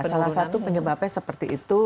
salah satu penyebabnya seperti itu